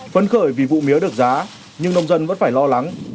phấn khởi vì vụ mía được giá nhưng nông dân vẫn phải lo lắng